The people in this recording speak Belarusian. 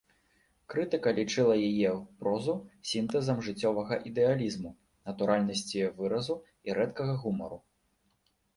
Крытыка лічыла яе прозу сінтэзам жыццёвага ідэалізму, натуральнасці выразу і рэдкага гумару.